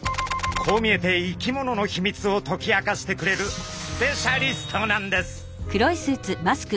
こう見えて生き物のヒミツを解き明かしてくれるスペシャリストなんです。